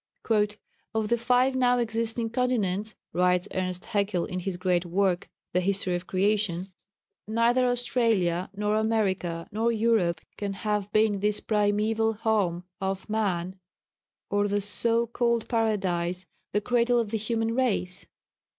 "Of the five now existing continents," writes Ernst Haeckel, in his great work "The History of Creation," "neither Australia, nor America, nor Europe can have been this primæval home [of man], or the so called 'Paradise,' the 'cradle of the human race.'